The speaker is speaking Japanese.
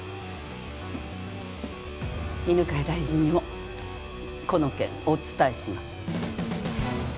犬飼大臣にもこの件お伝えします。